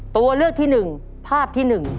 ตัวเลือกที่หนึ่งภาพที่หนึ่ง